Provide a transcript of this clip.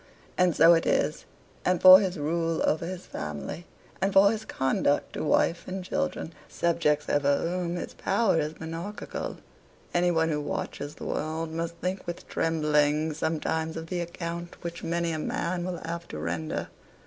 And so it is, and for his rule over his family, and for his conduct to wife and children subjects over whom his power is monarchical any one who watches the world must think with trembling sometimes of the account which many a man will have to render.